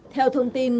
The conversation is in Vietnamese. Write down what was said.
theo thông tin